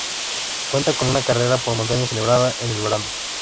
Cuenta con una carrera por montaña celebrada en el verano.